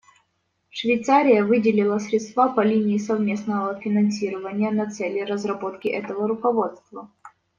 Швейцария выделила средства по линии совместного финансирования на цели разработки этого руководства.